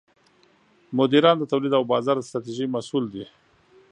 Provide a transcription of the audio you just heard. مدیران د تولید او بازار د ستراتیژۍ مسوول دي.